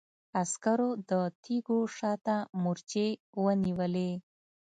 عسکرو د تيږو شا ته مورچې ونيولې.